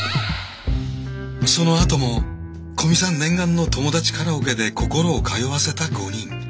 そのあとも古見さん念願の友達カラオケで心を通わせた５人。